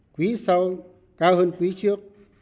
quý sau cao hơn quý trước